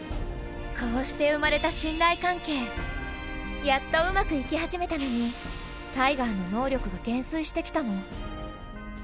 こうして生まれたやっとうまくいき始めたのにタイガーの能力が減衰してきたの。